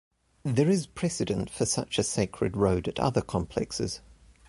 There is precedent for such a sacred road at other complexes.